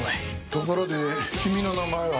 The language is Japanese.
ところで君の名前は？